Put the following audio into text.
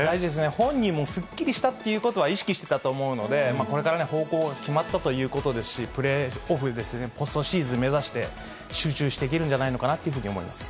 本人もすっきりしたということは意識してたと思うので、これから方向決まったということですし、プレーオフですね、ポストシーズン目指して、集中していけるんじゃないのかなというふうに思います。